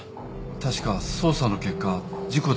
確か捜査の結果事故だったとか。